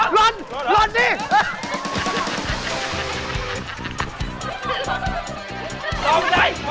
หล่นกันตาย